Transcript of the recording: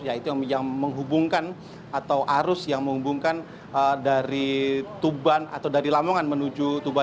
yaitu yang menghubungkan atau arus yang menghubungkan dari tuban atau dari lamongan menuju tuban